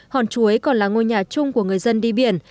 hòn chuối còn là ngôi nhà chung của người dân đi biển